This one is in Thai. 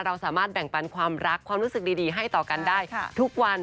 เราสามารถแบ่งปันความรักความรู้สึกดีให้ต่อกันได้ทุกวัน